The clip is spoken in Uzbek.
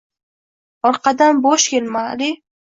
Orqadan Bo`sh kelma, Ali